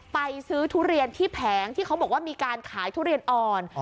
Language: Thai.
ไปซื้อทุเรียนที่แผงที่เขาบอกว่ามีการขายทุเรียนอ่อน